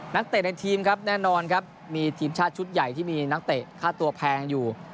เตะในทีมครับแน่นอนครับมีทีมชาติชุดใหญ่ที่มีนักเตะค่าตัวแพงอยู่